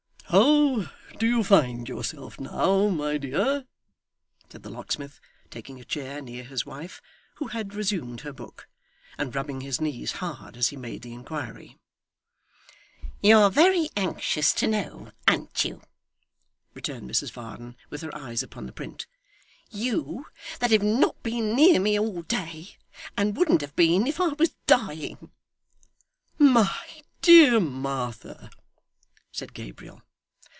'How do you find yourself now, my dear?' said the locksmith, taking a chair near his wife (who had resumed her book), and rubbing his knees hard as he made the inquiry. 'You're very anxious to know, an't you?' returned Mrs Varden, with her eyes upon the print. 'You, that have not been near me all day, and wouldn't have been if I was dying!' 'My dear Martha ' said Gabriel.